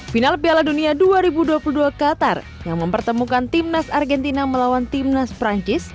final piala dunia dua ribu dua puluh dua qatar yang mempertemukan timnas argentina melawan timnas perancis